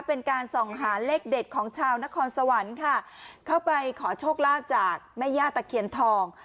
เป็นการส่องหาเลขเด็ดของชาวนครสวรรค์ค่ะเข้าไปขอโชคลาภจากแม่ย่าตะเคียนทอง